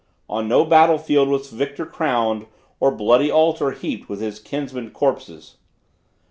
On no battle field Was victor crowned or bloody altar Heaped with his kinsmen's corpses.